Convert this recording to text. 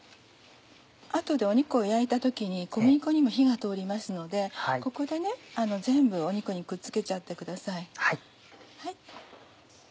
あとで肉を焼いた時に小麦粉にも火が通りますのでここで全部肉にくっつけちゃってください。